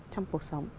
trong cuộc sống